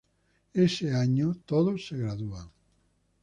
Este año todos se gradúan.